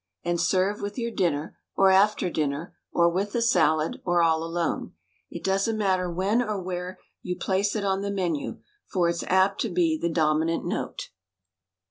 And serve with your dinner, or after dinner, or with the salad, or all alone. It doesn't matter when or where you place it on the menu, for it's apt to be the dominant note!